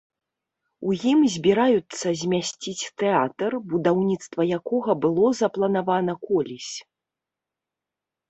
У ім збіраюцца змясціць тэатр, будаўніцтва якога было запланавана колісь.